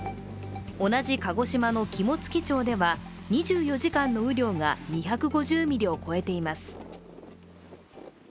同じ鹿児島の肝付町では、２４時間の雨量が２５０ミリを超えています。